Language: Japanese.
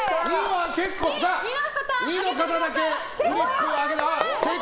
２の方だけフリップを上げてください。